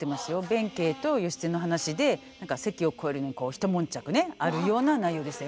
弁慶と義経の話で関を越えるのに一悶着ねあるような内容でしたよね。